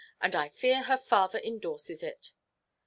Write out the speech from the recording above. And I fear her father endorses it."